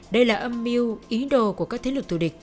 đây là âm mưu ý đồ của các thế lực thù địch